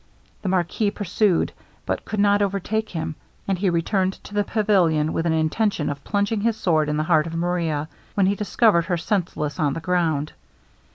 The marquis pursued, but could not overtake him; and he returned to the pavilion with an intention of plunging his sword in the heart of Maria, when he discovered her senseless on the ground.